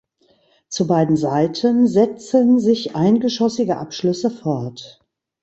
Zu beiden Seiten setzen sich eingeschossige Abschlüsse fort.